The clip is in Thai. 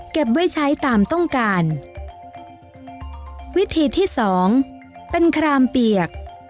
ไว้ใช้ตามต้องการวิธีที่สองเป็นครามเปียก